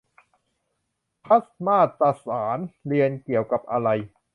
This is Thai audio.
ทัศนมาตรศาสตร์ เรียนเกี่ยวกับอะไร